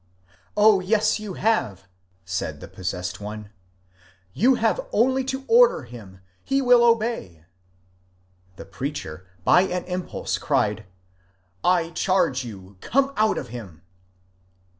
" Oh yes, you have," said the possessed one ;" you have only to order him, he will obey." The preacher, by an impulse, cried, ^^ I charge you come out of him